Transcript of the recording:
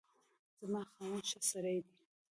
زما خاوند ښه سړی دی